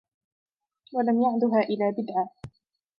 وَلَمْ يَعْدُهَا إلَى بِدْعَةٍ